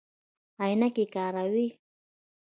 عینکې کاروئ؟